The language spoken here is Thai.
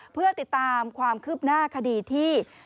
เพื่อติดตามความคืบหน้าคดีที่